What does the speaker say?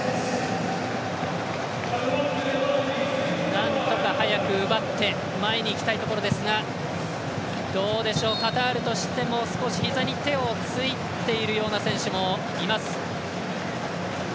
なんとか早く奪って前にいきたいところですがどうでしょう、カタールとしても少し膝に手をついているような選手もいます。